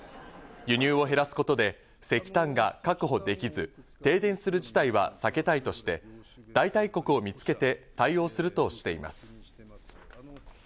輸入を減らすことで石炭が確保できず停電する事態は避けたいとして代替国を見つけて対応するとしています。